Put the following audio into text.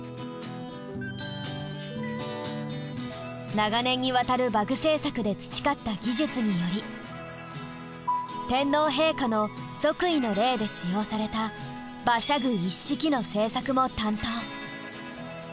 長年にわたる馬具製作で培った技術により天皇陛下の即位の礼で使用された馬車具一式の製作も担当。